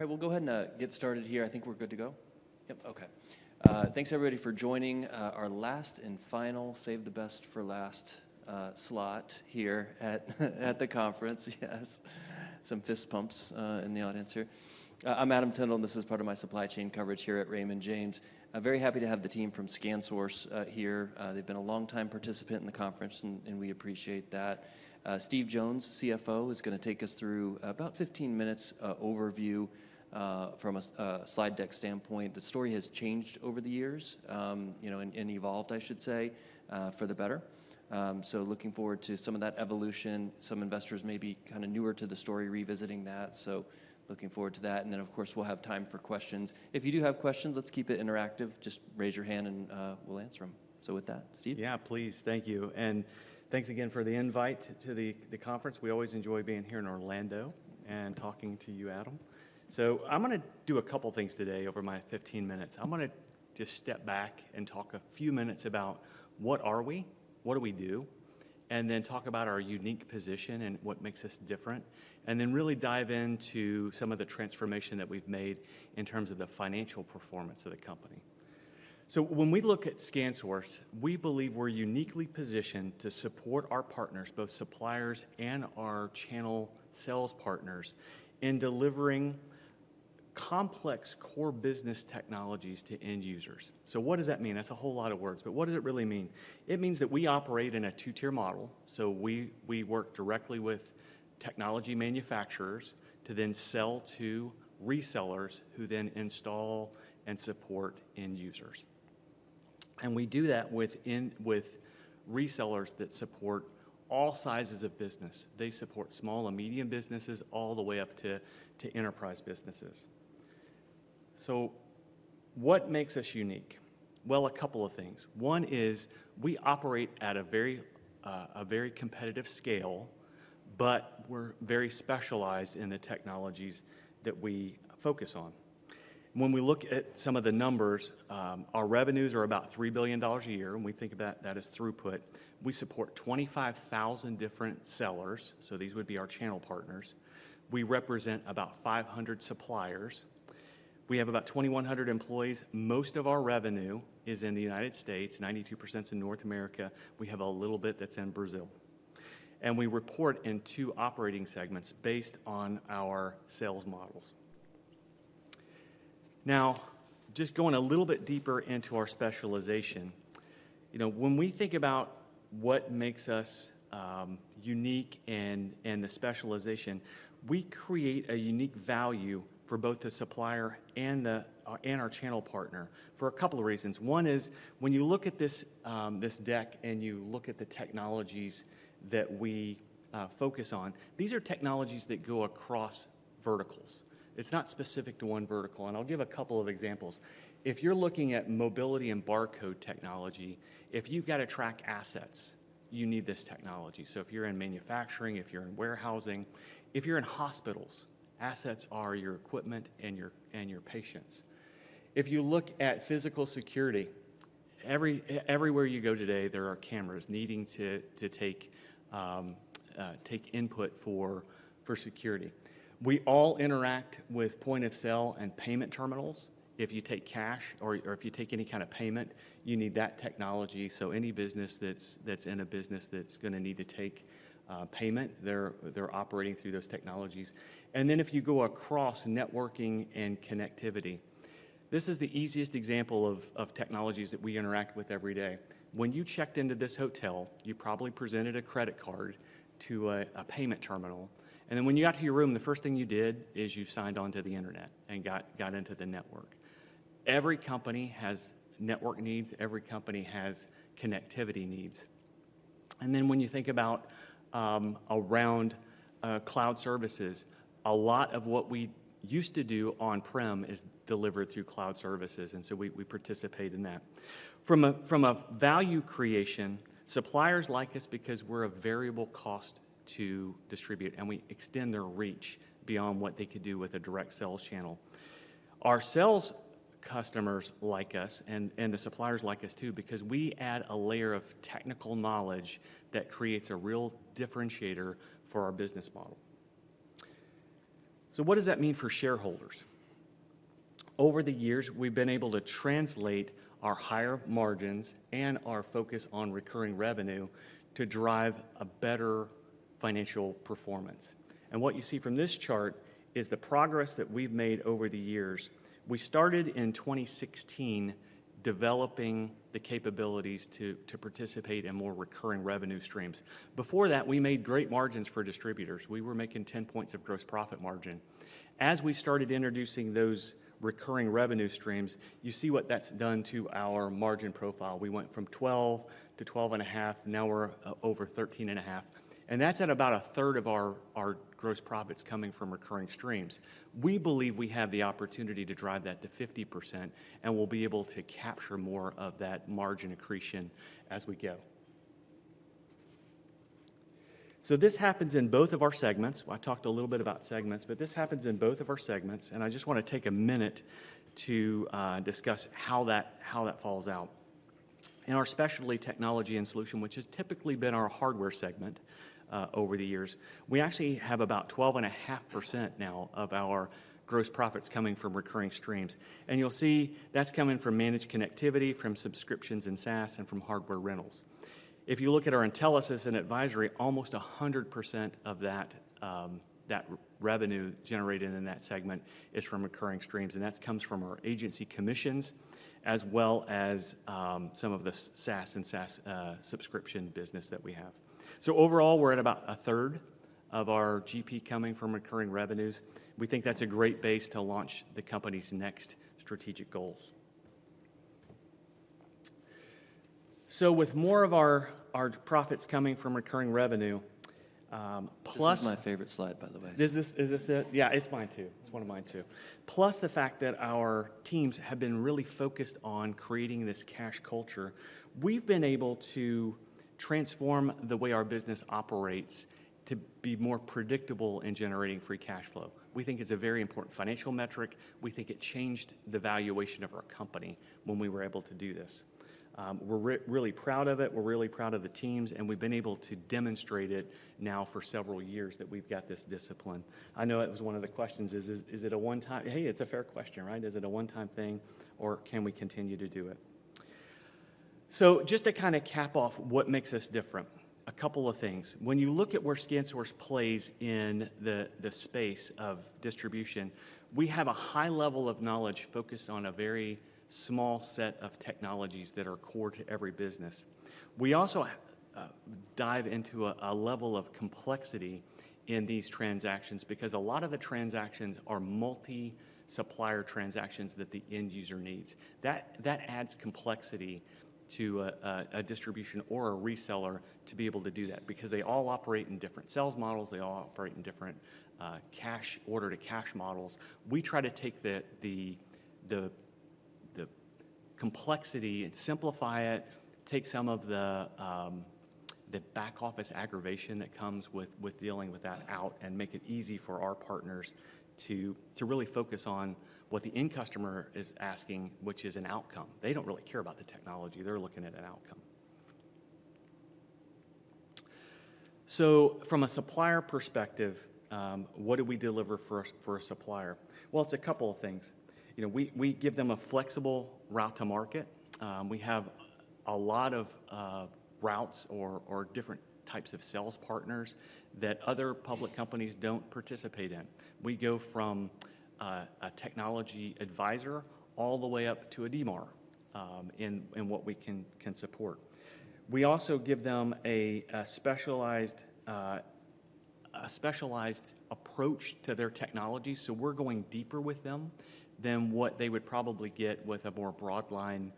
We'll go ahead and get started here. I think we're good to go. Yep, okay. Thanks everybody for joining our last and final saved the best for last slot here at the conference. Yes. Some fist pumps in the audience here. I'm Adam Tindle, and this is part of my supply chain coverage here at Raymond James. I'm very happy to have the team from ScanSource here. They've been a long time participant in the conference, and we appreciate that. Steve Jones, CFO, is gonna take us through about 15 minutes overview from a slide deck standpoint. The story has changed over the years, you know, and evolved, I should say, for the better. Looking forward to some of that evolution. Some investors may be kinda newer to the story revisiting that. Looking forward to that. Then, of course, we'll have time for questions. If you do have questions, let's keep it interactive. Just raise your hand, and we'll answer them. With that, Steve. Yeah, please. Thank you. Thanks again for the invite to the conference. We always enjoy being here in Orlando and talking to you, Adam. I'm gonna do a couple things today over my 15 minutes. I'm gonna just step back and talk a few minutes about what are we, what do we do, and then talk about our unique position and what makes us different, and then really dive into some of the transformation that we've made in terms of the financial performance of the company. When we look at ScanSource, we believe we're uniquely positioned to support our partners, both suppliers and our channel sales partners, in delivering complex core business technologies to end users. What does that mean? That's a whole lot of words, but what does it really mean? It means that we operate in a two-tier model, we work directly with technology manufacturers to then sell to resellers who then install and support end users. We do that with resellers that support all sizes of business. They support small and medium businesses all the way up to enterprise businesses. What makes us unique? A couple of things. One is we operate at a very competitive scale, but we're very specialized in the technologies that we focus on. When we look at some of the numbers, our revenues are about $3 billion a year, and we think of that as throughput. We support 25,000 different sellers, so these would be our channel partners. We represent about 500 suppliers. We have about 2,100 employees. Most of our revenue is in the United States. 92% in North America. We have a little bit that's in Brazil. We report in two operating segments based on our sales models. Just going a little bit deeper into our specialization, you know, when we think about what makes us unique and the specialization, we create a unique value for both the supplier and our channel partner for a couple of reasons. One is when you look at this deck and you look at the technologies that we focus on, these are technologies that go across verticals. It's not specific to one vertical, and I'll give a couple of examples. If you're looking at mobility and barcode technology, if you've got to track assets, you need this technology. If you're in manufacturing, if you're in warehousing, if you're in hospitals, assets are your equipment and your patients. If you look at physical security, everywhere you go today, there are cameras needing to take input for security. We all interact with point-of-sale and payment terminals. If you take cash or if you take any kind of payment, you need that technology. Any business that's in a business that's gonna need to take payment, they're operating through those technologies. If you go across networking and connectivity, this is the easiest example of technologies that we interact with every day. When you checked into this hotel, you probably presented a credit card to a payment terminal, and then when you got to your room, the first thing you did is you signed on to the internet and got into the network. Every company has network needs. Every company has connectivity needs. When you think about around cloud services, a lot of what we used to do on-prem is delivered through cloud services, and so we participate in that. From a value creation, suppliers like us because we're a variable cost to distribute, and we extend their reach beyond what they could do with a direct sales channel. Our sales customers like us, and the suppliers like us too, because we add a layer of technical knowledge that creates a real differentiator for our business model. What does that mean for shareholders? Over the years, we've been able to translate our higher margins and our focus on recurring revenue to drive a better financial performance. What you see from this chart is the progress that we've made over the years. We started in 2016 developing the capabilities to participate in more recurring revenue streams. Before that, we made great margins for distributors. We were making ten points of gross profit margin. As we started introducing those recurring revenue streams, you see what that's done to our margin profile. We went from 12%-12.5%. Now we're over 13.5%, and that's at about a third of our gross profits coming from recurring streams. We believe we have the opportunity to drive that to 50%, and we'll be able to capture more of that margin accretion as we go. This happens in both of our segments. I talked a little bit about segments, but this happens in both of our segments, and I just wanna take a minute to discuss how that falls out. In our Specialty Technology Solutions, which has typically been our hardware segment over the years, we actually have about 12.5% now of our gross profits coming from recurring streams. You'll see that's coming from managed connectivity, from subscriptions in SaaS, and from hardware rentals. If you look at our Intelisys & Advisory, almost 100% of that revenue generated in that segment is from recurring streams, and that's comes from our agency commissions as well as, some of the SaaS subscription business that we have. Overall, we're at about a third of our GP coming from recurring revenues. We think that's a great base to launch the company's next strategic goals. With more of our profits coming from recurring revenue. This is my favorite slide, by the way. Is this it? Yeah, it's mine too. It's one of mine too. The fact that our teams have been really focused on creating this cash culture, we've been able to transform the way our business operates to be more predictable in generating free cash flow. We think it's a very important financial metric. We think it changed the valuation of our company when we were able to do this. We're really proud of it. We're really proud of the teams, and we've been able to demonstrate it now for several years that we've got this discipline. I know it was one of the questions is it a one time. Hey, it's a fair question, right? Is it a one time thing or can we continue to do it? Just to kinda cap off what makes us different, a couple of things. When you look at where ScanSource plays in the space of distribution, we have a high level of knowledge focused on a very small set of technologies that are core to every business. We also dive into a level of complexity in these transactions because a lot of the transactions are multi-supplier transactions that the end user needs. That adds complexity to a distribution or a reseller to be able to do that because they all operate in different sales models. They all operate in different order-to-cash models. We try to take the complexity and simplify it, take some of the back office aggravation that comes with dealing with that out and make it easy for our partners to really focus on what the end customer is asking, which is an outcome. They don't really care about the technology. They're looking at an outcome. From a supplier perspective, what do we deliver for a supplier? It's a couple of things. You know, we give them a flexible route to market. We have a lot of routes or different types of sales partners that other public companies don't participate in. We go from a technology advisor all the way up to a DRR in what we can support. We also give them a specialized approach to their technology, so we're going deeper with them than what they would probably get with a more broad line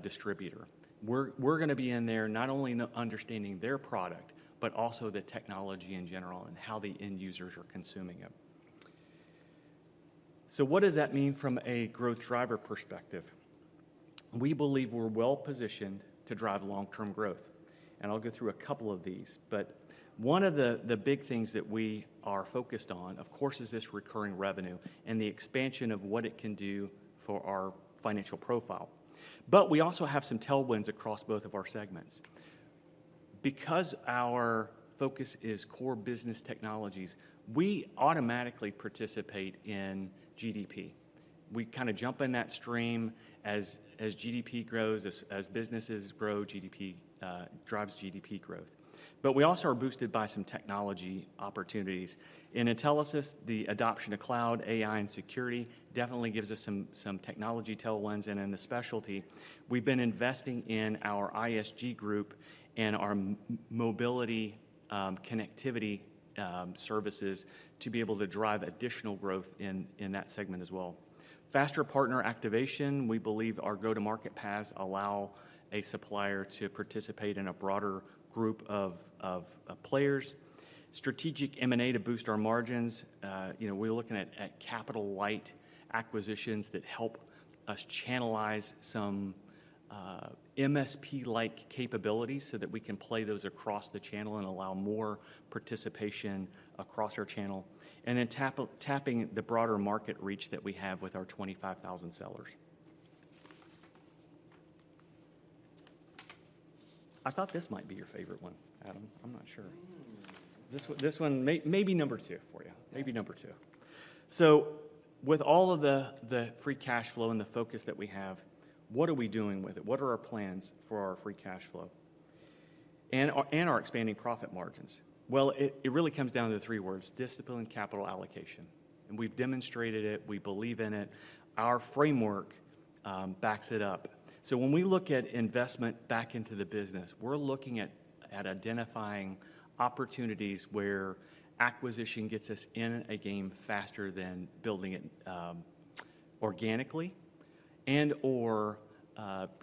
distributor. We're gonna be in there not only understanding their product, but also the technology in general and how the end users are consuming it. What does that mean from a growth driver perspective? We believe we're well-positioned to drive long-term growth, and I'll go through a couple of these. One of the big things that we are focused on, of course, is this recurring revenue and the expansion of what it can do for our financial profile. We also have some tailwinds across both of our segments. Because our focus is core business technologies, we automatically participate in GDP. We kinda jump in that stream as GDP grows, as businesses grow, GDP drives GDP growth. We also are boosted by some technology opportunities. In Intelisys, the adoption of cloud, AI, and security definitely gives us some technology tailwinds. In the specialty, we've been investing in our ISV group and our mobility, connectivity, services to be able to drive additional growth in that segment as well. Faster partner activation. We believe our go-to-market paths allow a supplier to participate in a broader group of players. Strategic M&A to boost our margins. You know, we're looking at capital-light acquisitions that help us channelize some MSP-like capabilities so that we can play those across the channel and allow more participation across our channel, and then tapping the broader market reach that we have with our 25,000 sellers. I thought this might be your favorite one, Adam. I'm not sure. This one may be number two for you. Yeah. May be two. With all of the free cash flow and the focus that we have, what are we doing with it? What are our plans for our free cash flow and our expanding profit margins? Well, it really comes down to the three words: disciplined capital allocation. We've demonstrated it. We believe in it. Our framework backs it up. When we look at investment back into the business, we're looking at identifying opportunities where acquisition gets us in a game faster than building it organically and/or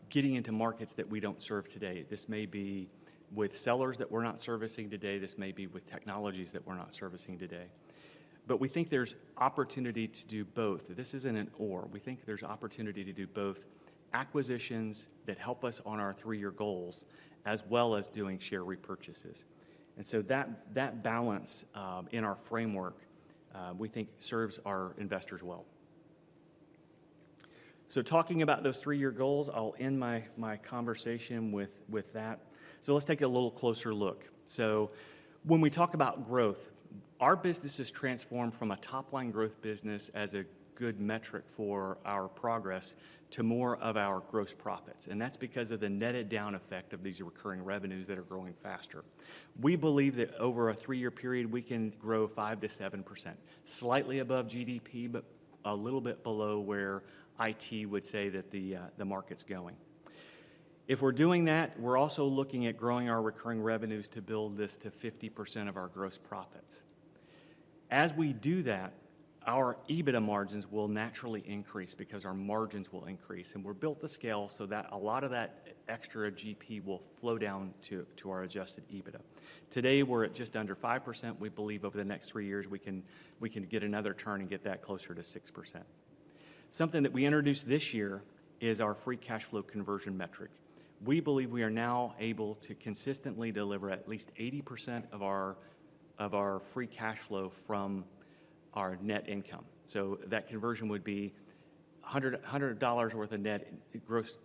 getting into markets that we don't serve today. This may be with sellers that we're not servicing today. This may be with technologies that we're not servicing today. We think there's opportunity to do both. This isn't an or. We think there's opportunity to do both acquisitions that help us on our 3-year goals as well as doing share repurchases. That balance, in our framework, we think serves our investors well. Talking about those 3-year goals, I'll end my conversation with that. Let's take a little closer look. When we talk about growth, our business has transformed from a top-line growth business as a good metric for our progress to more of our gross profits, and that's because of the netted down effect of these recurring revenues that are growing faster. We believe that over a 3-year period, we can grow 5%-7%, slightly above GDP, but a little bit below where IT would say that the market's going. If we're doing that, we're also looking at growing our recurring revenues to build this to 50% of our gross profits. We do that, our EBITDA margins will naturally increase because our margins will increase, and we're built to scale so that a lot of that extra GP will flow down to our adjusted EBITDA. Today, we're at just under 5%. We believe over the next 3 years we can get another turn and get that closer to 6%. We introduced this year is our free cash flow conversion metric. We believe we are now able to consistently deliver at least 80% of our free cash flow from our net income. That conversion would be $100 worth of net gross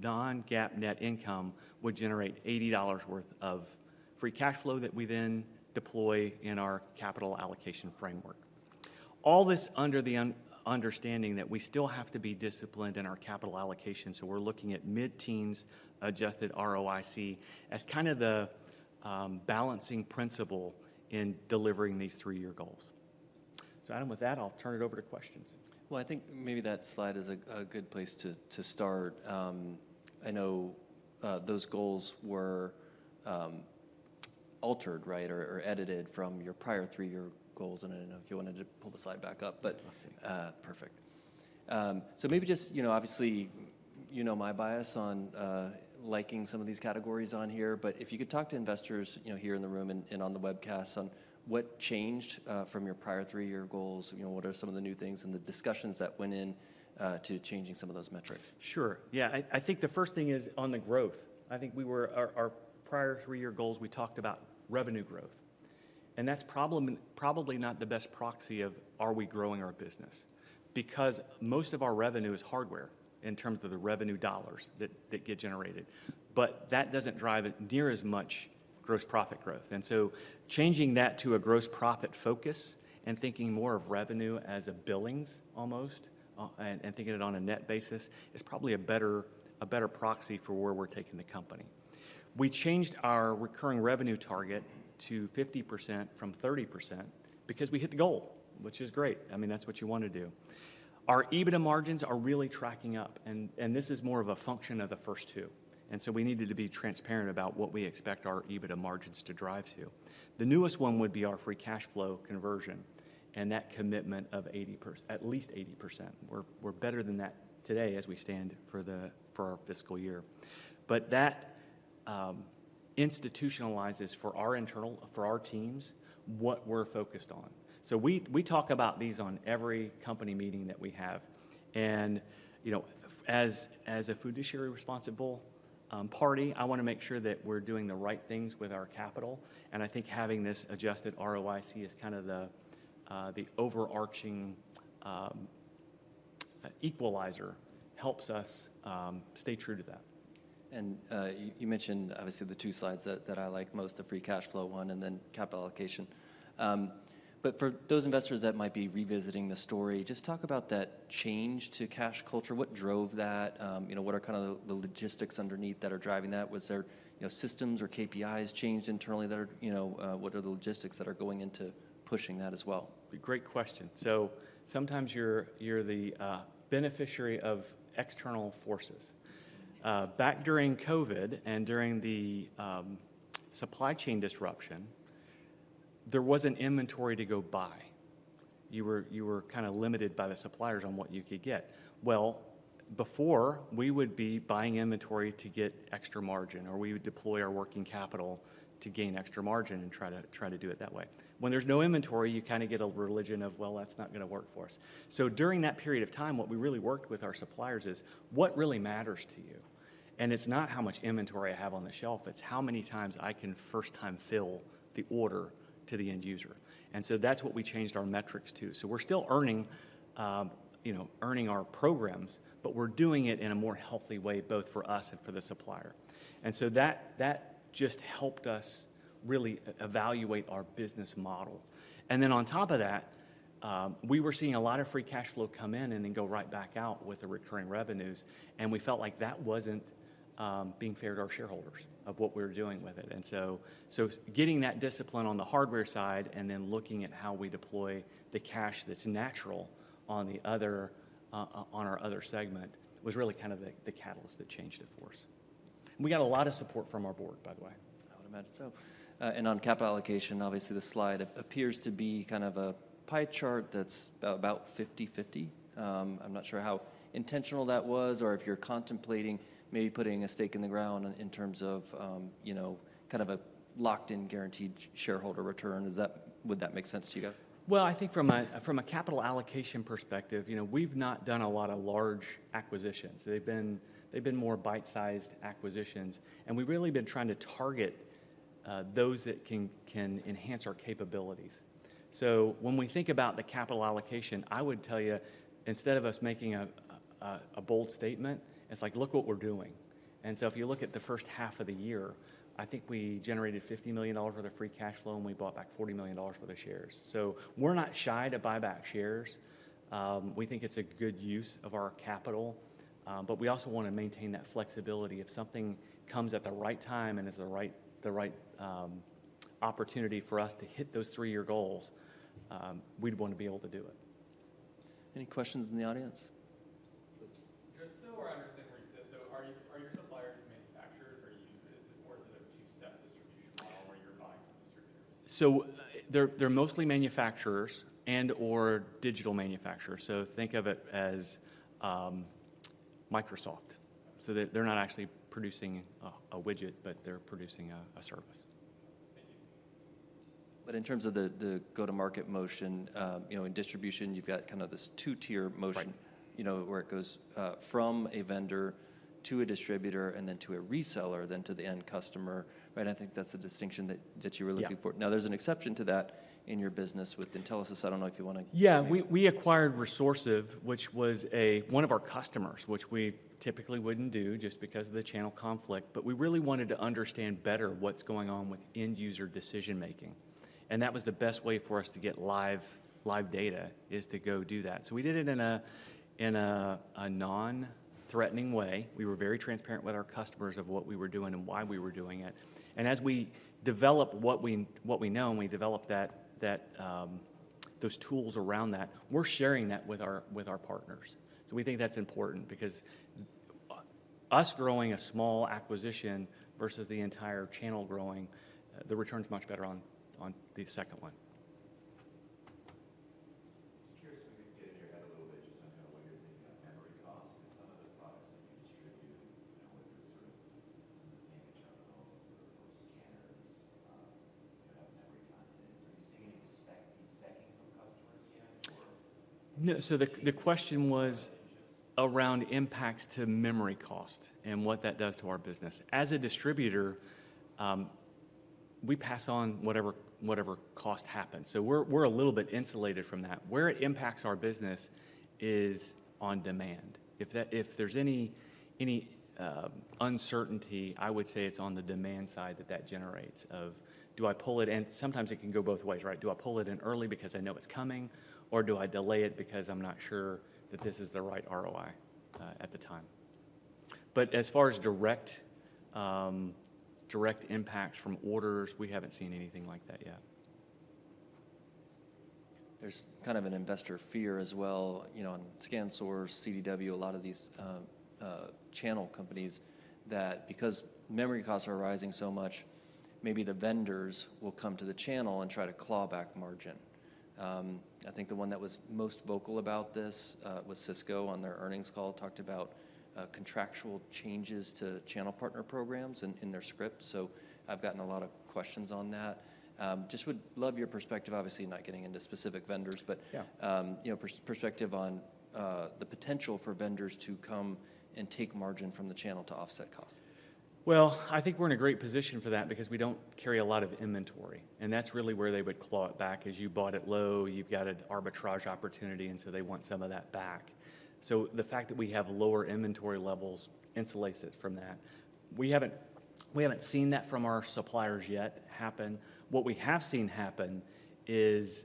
non-GAAP net income would generate $80 worth of free cash flow that we then deploy in our capital allocation framework. All this under the understanding that we still have to be disciplined in our capital allocation, we're looking at mid-teens Adjusted ROIC as kind of the balancing principle in delivering these three-year goals. Adam, with that, I'll turn it over to questions. Well, I think maybe that slide is a good place to start. I know those goals were altered, right? Or edited from your prior three-year goals, and I don't know if you wanted to pull the slide back up, but- Let's see. Perfect. Maybe just, you know, obviously, you know my bias on liking some of these categories on here, but if you could talk to investors, you know, here in the room and on the webcast on what changed from your prior three-year goals. You know, what are some of the new things and the discussions that went in to changing some of those metrics? Sure. Yeah, I think the first thing is on the growth. Our prior 3-year goals, we talked about revenue growth, that is probably not the best proxy of are we growing our business because most of our revenue is hardware in terms of the revenue dollars that get generated. That doesn't drive near as much gross profit growth. Changing that to a gross profit focus and thinking more of revenue as a billings almost, and thinking it on a net basis is probably a better proxy for where we're taking the company. We changed our recurring revenue target to 50% from 30% because we hit the goal, which is great. I mean, that's what you wanna do. Our EBITDA margins are really tracking up, and this is more of a function of the first two. We needed to be transparent about what we expect our EBITDA margins to drive to. The newest one would be our free cash flow conversion and that commitment of at least 80%. We're better than that today as we stand for the, for our fiscal year. That institutionalizes for our internal, for our teams, what we're focused on. We talk about these on every company meeting that we have. You know, as a fiduciary responsible party, I wanna make sure that we're doing the right things with our capital, and I think having this Adjusted ROIC as kind of the overarching equalizer helps us stay true to that. You, you mentioned obviously the two slides that I like most, the free cash flow one and then capital allocation. For those investors that might be revisiting the story, just talk about that change to cash culture. What drove that? You know, what are kinda the logistics underneath that are driving that? Was there, you know, systems or KPIs changed internally that are, you know, what are the logistics that are going into pushing that as well? Great question. Sometimes you're the beneficiary of external forces. Back during COVID and during the supply chain disruption, there wasn't inventory to go buy. You were kinda limited by the suppliers on what you could get. Well, before, we would be buying inventory to get extra margin, or we would deploy our working capital to gain extra margin and try to do it that way. When there's no inventory, you kinda get a religion of, "Well, that's not gonna work for us." During that period of time, what we really worked with our suppliers is, "What really matters to you?" It's not how much inventory I have on the shelf, it's how many times I can first time fill the order to the end user. That's what we changed our metrics to. We're still earning, you know, earning our programs, but we're doing it in a more healthy way, both for us and for the supplier. That just helped us really evaluate our business model. On top of that, we were seeing a lot of free cash flow come in and then go right back out with the recurring revenues, and we felt like that wasn't being fair to our shareholders of what we were doing with it. Getting that discipline on the hardware side and then looking at how we deploy the cash that's natural on the other on our other segment was really kind of the catalyst that changed it for us. We got a lot of support from our board, by the way. I would imagine so. On capital allocation, obviously this slide appears to be kind of a pie chart that's about 50/50. I'm not sure how intentional that was or if you're contemplating maybe putting a stake in the ground in terms of, you know, kind of a locked-in guaranteed shareholder return. Is that, would that make sense to you guys? Well, I think from a capital allocation perspective, you know, we've not done a lot of large acquisitions. They've been more bite-sized acquisitions, and we've really been trying to target those that can enhance our capabilities. When we think about the capital allocation, I would tell you, instead of us making a bold statement, it's like, look what we're doing. If you look at the first half of the year, I think we generated $50 million worth of free cash flow, and we bought back $40 million worth of shares. We're not shy to buy back shares. We think it's a good use of our capital, but we also wanna maintain that flexibility. If something comes at the right time and is the right opportunity for us to hit those 3-year goals, we'd wanna be able to do it. Any questions in the audience? Just so I understand where you said, Are your suppliers manufacturers? Is it a two-step distribution model where you're buying from distributors? They're mostly manufacturers and/or digital manufacturers. Think of it as Microsoft, they're not actually producing a widget, but they're producing a service. Thank you. In terms of the go-to-market motion, you know, in distribution, you've got kinda this two-tier motion. Right you know, where it goes, from a vendor to a distributor and then to a reseller then to the end customer, right? I think that's the distinction that you were looking for. Yeah. There's an exception to that in your business with Intelisys. I don't know if you. We acquired Resourcive, which was one of our customers, which we typically wouldn't do just because of the channel conflict. We really wanted to understand better what's going on with end user decision-making, and that was the best way for us to get live data, is to go do that. We did it in a non-threatening way. We were very transparent with our customers of what we were doing and why we were doing it. As we develop what we know, and we develop that those tools around that, we're sharing that with our partners. We think that's important because us growing a small acquisition versus the entire channel growing, the return's much better on the second one. Just curious if we could get in your head a little bit just to know what you're thinking on memory cost 'cause some of the products that you distribute, you know, whether it's sort of some of the image on the walls or for scanners, you have memory content. Are you seeing any despeccing from customers yet? No. the question was. around impacts to memory cost and what that does to our business. As a distributor, we pass on whatever cost happens. We're a little bit insulated from that. Where it impacts our business is on demand. If there's any uncertainty, I would say it's on the demand side that that generates of, Sometimes it can go both ways, right? Do I pull it in early because I know it's coming, or do I delay it because I'm not sure that this is the right ROI at the time? As far as direct impacts from orders, we haven't seen anything like that yet. There's kind of an investor fear as well, you know, on ScanSource, CWD, a lot of these channel companies that because memory costs are rising so much, maybe the vendors will come to the channel and try to claw back margin. I think the one that was most vocal about this was Cisco on their earnings call, talked about contractual changes to channel partner programs in their script. I've gotten a lot of questions on that. Just would love your perspective, obviously not getting into specific vendors, but... Yeah... you know, perspective on, the potential for vendors to come and take margin from the channel to offset cost. I think we're in a great position for that because we don't carry a lot of inventory, and that's really where they would claw it back, is you bought it low, you've got an arbitrage opportunity, and so they want some of that back. The fact that we have lower inventory levels insulates it from that. We haven't seen that from our suppliers yet happen. What we have seen happen is,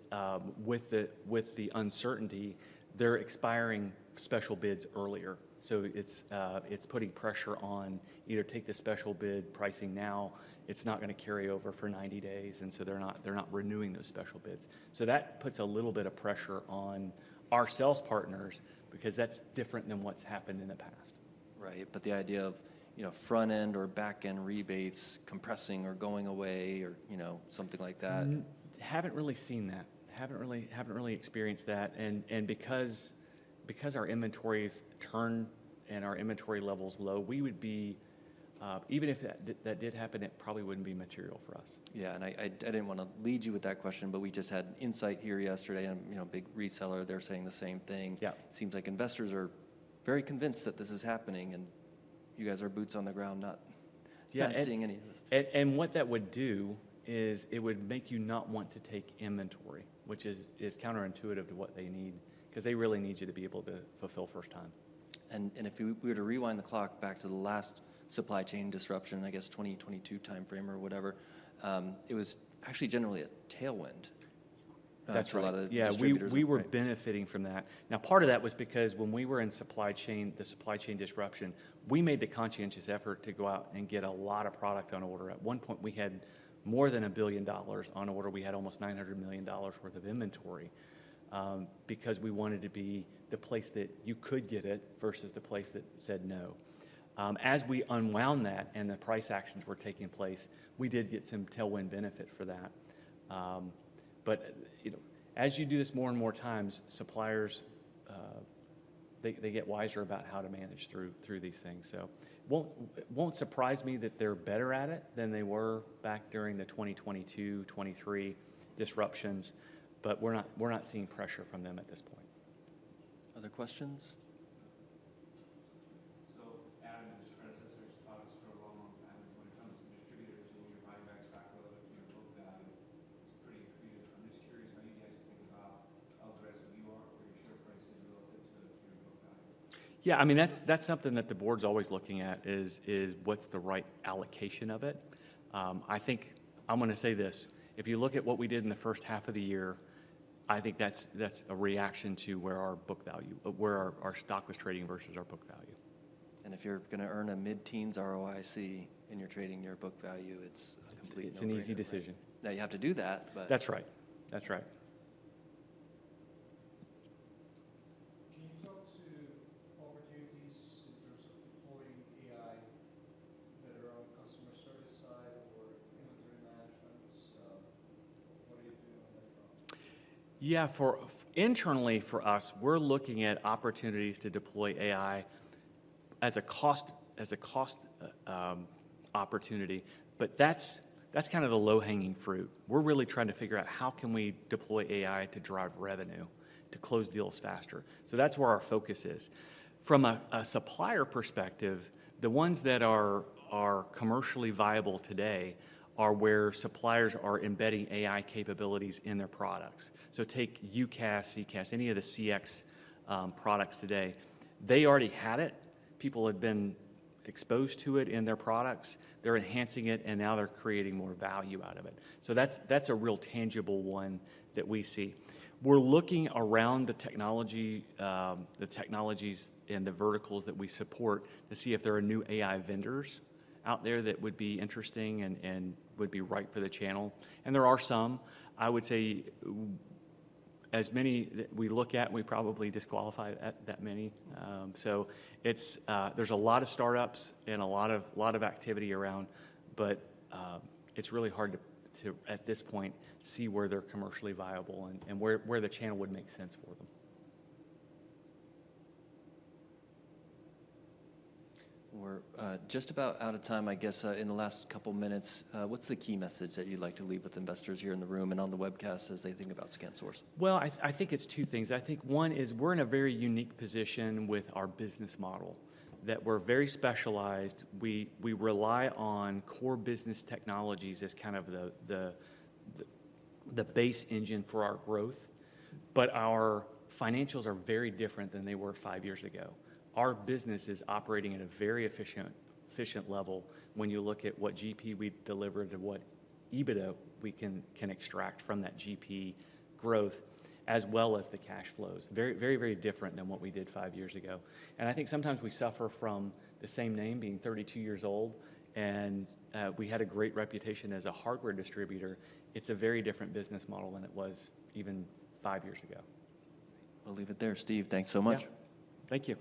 with the uncertainty, they're expiring special bids earlier. It's putting pressure on either take the special bid pricing now, it's not gonna carry over for 90 days, and so they're not renewing those special bids. That puts a little bit of pressure on our sales partners because that's different than what's happened in the past. Right. The idea of, you know, front-end or back-end rebates compressing or going away or, you know, something like that. Haven't really seen that. Haven't really experienced that. Because our inventories turn and our inventory level's low, we would be, even if that did happen, it probably wouldn't be material for us. Yeah. I didn't wanna lead you with that question, but we just had Insight here yesterday and, you know, big reseller, they're saying the same thing. Yeah. Seems like investors are very convinced that this is happening, and you guys are boots on the ground, not. Yeah. seeing any of this. What that would do is it would make you not want to take inventory, which is counterintuitive to what they need 'cause they really need you to be able to fulfill first time. If we were to rewind the clock back to the last supply chain disruption, I guess, 20, 2022 timeframe or whatever, it was actually generally a tailwind. That's right.... for a lot of distributors at the time. Yeah. We were benefiting from that. Part of that was because when we were in supply chain, the supply chain disruption, we made the conscientious effort to go out and get a lot of product on order. At one point, we had more than $1 billion on order. We had almost $900 million worth of inventory because we wanted to be the place that you could get it versus the place that said no. As we unwound that and the price actions were taking place, we did get some tailwind benefit for that. You know, as you do this more and more times, suppliers, they get wiser about how to manage through these things. Won't surprise me that they're better at it than they were back during the 2022, 2023 disruptions, but we're not seeing pressure from them at this point. Other questions? added to this premise, I just thought it was for a long, long time. When it comes to distributors and when you're buying back stock relative to your book value, it's pretty creative. I'm just curious how you guys think about how aggressive you are for your share price in relative to your book value? Yeah, I mean, that's something that the board's always looking at is what's the right allocation of it. I'm gonna say this. If you look at what we did in the first half of the year, I think that's a reaction to where our book value, where our stock was trading versus our book value. If you're gonna earn a mid-teens ROIC and you're trading your book value, it's a complete no-brainer. It's an easy decision. you have to do that. That's right. That's right. Can you talk to opportunities in terms of deploying AI that are on customer service side or inventory management? What are you doing on that front? Yeah. Internally for us, we're looking at opportunities to deploy AI as a cost opportunity. That's kind of the low-hanging fruit. We're really trying to figure out how can we deploy AI to drive revenue, to close deals faster. That's where our focus is. From a supplier perspective, the ones that are commercially viable today are where suppliers are embedding AI capabilities in their products. Take UCaaS, CCaaS, any of the CX products today. They already had it. People had been exposed to it in their products. They're enhancing it, now they're creating more value out of it. That's a real tangible one that we see. We're looking around the technology, the technologies and the verticals that we support to see if there are new AI vendors out there that would be interesting and would be right for the channel, and there are some. I would say as many that we look at, we probably disqualify at that many. It's there's a lot of startups and a lot of activity around, but it's really hard to, at this point, see where they're commercially viable and where the channel would make sense for them. We're just about out of time. I guess, in the last couple minutes, what's the key message that you'd like to leave with investors here in the room and on the webcast as they think about ScanSource? Well, I think it's two things. I think one is we're in a very unique position with our business model, that we're very specialized. We rely on core business technologies as kind of the base engine for our growth. Our financials are very different than they were five years ago. Our business is operating at a very efficient level when you look at what GP we delivered and what EBITDA we can extract from that GP growth, as well as the cash flows. Very different than what we did five years ago. I think sometimes we suffer from the same name being 32 years old, and we had a great reputation as a hardware distributor. It's a very different business model than it was even five years ago. We'll leave it there. Steve, thanks so much. Yeah. Thank you.